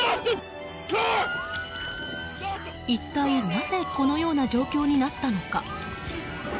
一体、なぜこのような状況になったのか。